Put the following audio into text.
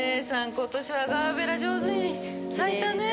今年はガーベラ上手に咲いたねぇ。